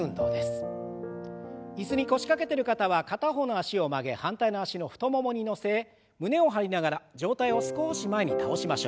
椅子に腰掛けてる方は片方の脚を曲げ反対の脚の太ももに乗せ胸を張りながら上体を少し前に倒しましょう。